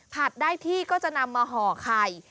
ได้ที่ก็จะนำมาห่อไข่